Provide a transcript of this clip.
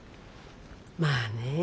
まあね